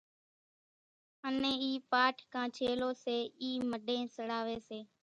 انين اِي پاٺ ڪان ڇيلو سي اِي مڍين سڙاوي سي۔